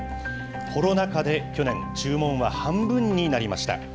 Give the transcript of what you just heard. コロナ禍で去年、注文は半分になりました。